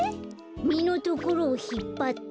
みのところをひっぱって。